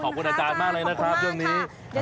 เอาล่ะขอบคุณอาจารย์มากเลยนะครับซึ่งนี้โอ้ขอบคุณค่ะครับ